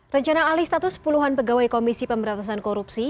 rencana alih status puluhan pegawai komisi pemberantasan korupsi